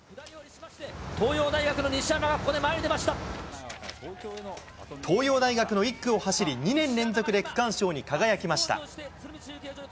東洋大学の西山がここで前に東洋大学の１区を走り、２年連続で区間賞に輝きました。